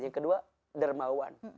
yang kedua dermawan